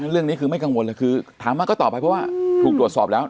เรื่องนี้คือไม่กังวลเลยคือถามว่าก็ต่อไปเพราะว่าถูกตรวจสอบแล้ว